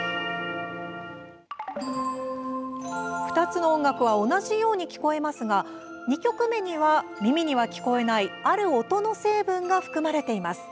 ２ つの音楽は同じように聞こえますが２曲目には、耳には聞こえないある音の成分が含まれています。